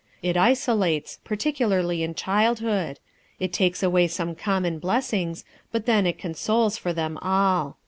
It isolates, particularly in childhood; it takes away some common blessings, but then it consoles for them all."